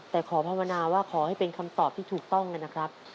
แต่ขอภาวนาว่าขอให้เป็นคำตอบที่ถูกต้องนะครับ